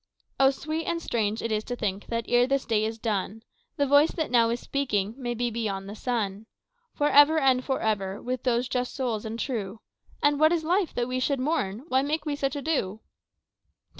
"O sweet and strange it is to think that ere this day is done. The voice that now is speaking may be beyond the sun: For ever and for ever with those just souls and true And what is life that we should mourn, why make we such ado?"